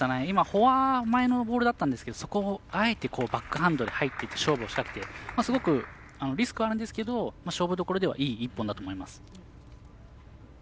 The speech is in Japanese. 今、フォア前のボールだったんですがそこをあえてバックハンドで入って勝負を仕掛けてすごくリスクあるんですけど勝負どころではいい一本だと思います。